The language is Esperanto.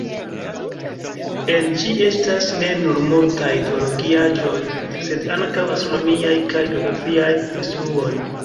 En ĝi estas ne nur multaj teologiaĵoj, sed ankaŭ astronomiaj kaj geografiaj instruoj.